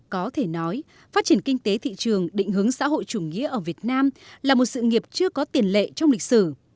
có thể nói phát triển kinh tế thị trường định hướng xã hội chủ nghĩa ở việt nam là một sự nghiệp chưa có tiền lệ trong lịch sử